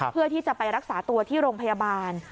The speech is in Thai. เพื่อที่จะไปรักษาตัวที่โรงพยาบาล